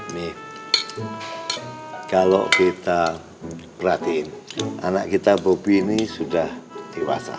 nih kalau kita perhatiin anak kita bobi ini sudah dewasa